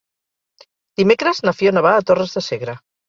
Dimecres na Fiona va a Torres de Segre.